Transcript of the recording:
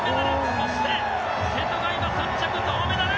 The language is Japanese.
そして瀬戸が今３着銅メダル！